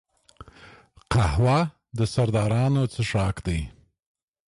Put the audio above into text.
قهوه د سردارانو څښاک دی